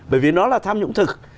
bởi vì nó là tham nhũng thực